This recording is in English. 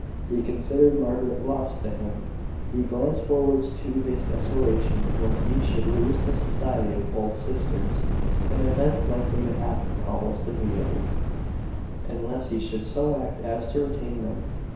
He considered Margaret lost to him: he glanced forwards to his desolation when he should lose the society of both sisters an event likely to happen almost immediately, unless he should so act as to retain them.